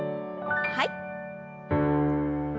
はい。